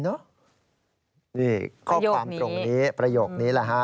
นี่ข้อความตรงนี้ประโยคนี้แหละฮะ